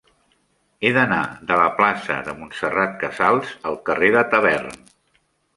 He d'anar de la plaça de Montserrat Casals al carrer de Tavern.